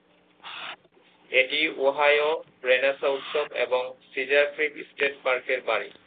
এটি Ohio renaissance উৎসব এবং সিজার ক্রিক স্টেট পার্কের বাড়ি।